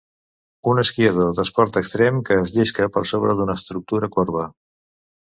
Un esquiador d'esport extrem que es llisca per sobre d'una estructura corba.